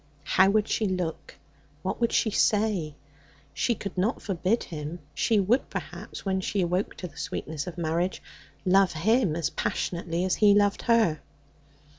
How would she look? What would she say? She could not forbid him. She would, perhaps, when she awoke to the sweetness of marriage, love him as passionately as he loved her.